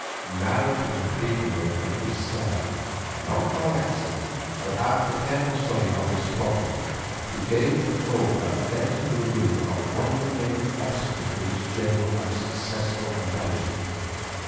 Now to complete the work it was Stella, not by accident, but after careful study of its problem who gave the thought that led to the removal of the one remaining obstacle to its general and successful establishment.